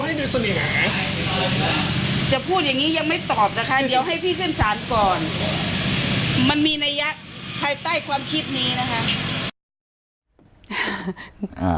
มันมีนัยยักษ์ภายใต้ความคิดนี้นะคะ